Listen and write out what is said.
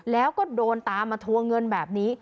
แล้วก็โดนตามมาทวงเงินแบบนี้